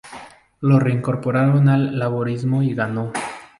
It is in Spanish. Lo reincorporaron al laborismo y ganó.